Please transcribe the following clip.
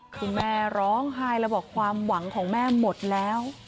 คือแม่ร้องไห้แล้วบอกความหวังของแม่หมดแล้ว